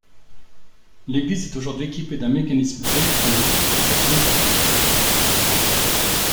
L'église est aujourd'hui équipée d'un mécanisme électronique pour faire sonner sa cloche.